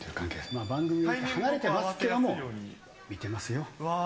まあ、番組は離れてますけども、見てますよ。